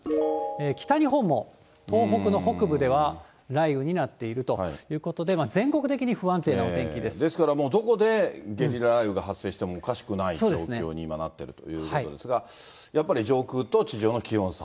北日本も東北の北部では雷雨になっているということで、ですから、もうどこでゲリラ雷雨が発生してもおかしくない状況に今なっているということですが、やっぱり上空と地上の気温差。